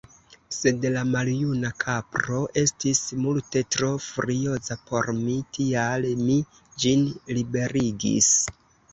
Sed la maljuna kapro estis multe tro furioza por mi, tial mi ĝin liberigis.